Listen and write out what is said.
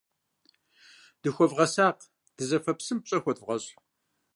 Дыхуэвгъэсакъ, дызэфэ псым пщӀэ хуэдывгъэщӀ.